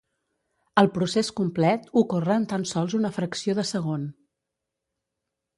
El procés complet ocorre en tan sols una fracció de segon.